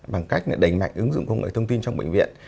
bằng cách đẩy mạnh ứng dụng công nghệ thông tin trong bệnh viện